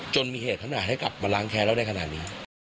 มีเหตุขนาดให้กลับมาล้างแค้นเราได้ขนาดนี้